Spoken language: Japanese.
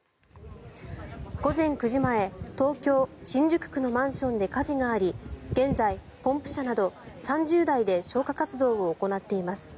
午前９時前東京・新宿区のマンションで火事があり現在、ポンプ車など３０台で消火活動を行っています。